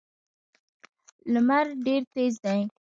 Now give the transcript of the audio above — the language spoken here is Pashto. لمر ډېر تېز دی.